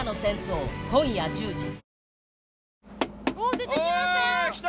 出てきました。